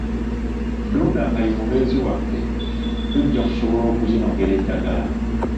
Ddunda nga ye mubeezi waffe, tujja kusobola okuzinogera eddagala.